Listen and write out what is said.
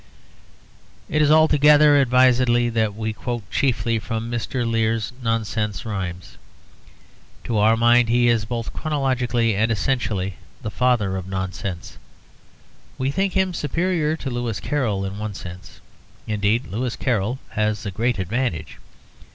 It is altogether advisedly that we quote chiefly from Mr. Lear's 'Nonsense Rhymes.' To our mind he is both chronologically and essentially the father of nonsense; we think him superior to Lewis Carroll. In one sense, indeed, Lewis Carroll has a great advantage.